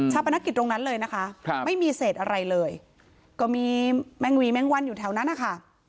ปนักกิจตรงนั้นเลยนะคะไม่มีเศษอะไรเลยก็มีแมงหวีแมงวันอยู่แถวนั้นนะคะ